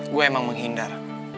gue emang menghindar